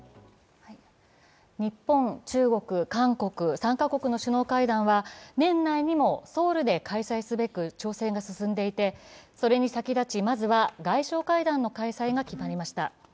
日本、中国、韓国３か国の首脳会談は年内にもソウルで開催すべく調整が進んでいてそれに先立ち、まずは外相会談の開催が決まりました。